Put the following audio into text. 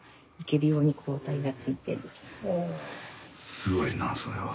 すごいなあそれは。